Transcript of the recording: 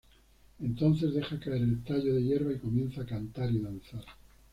Entonces deja caer el tallo de hierba y comienza a cantar y danzar.